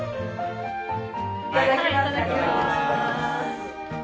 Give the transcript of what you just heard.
いただきます。